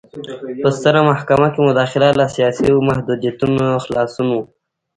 په ستره محکمه کې مداخله له سیاسي محدودیتونو خلاصون و.